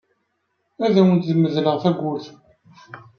Ad awent-medleɣ tawwurt.